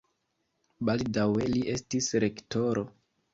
Baldaŭe li estis rektoro.